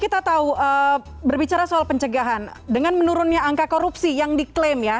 kita tahu berbicara soal pencegahan dengan menurunnya angka korupsi yang diklaim ya